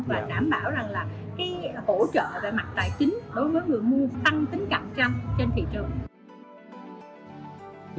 và đảm bảo rằng là cái hỗ trợ về mặt tài chính đối với người mua tăng tính cạnh tranh trên thị trường